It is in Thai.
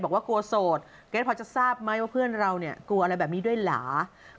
บอกว่ากลัวโสดเกรทพอจะทราบไหมว่าเพื่อนเราเนี่ยกลัวอะไรแบบนี้ด้วยเหรอ